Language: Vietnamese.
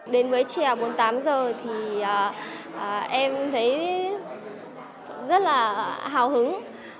đến với trèo bốn mươi tám giờ thì em thấy rất là hào hứng